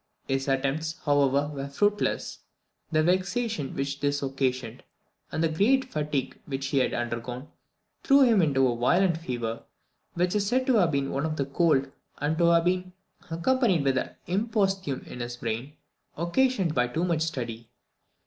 His attempts, however, were fruitless. The vexation which this occasioned, and the great fatigue which he had undergone, threw him into a violent fever, which is said to have been one of cold, and to have been accompanied with an imposthume in his brain, occasioned by too much study.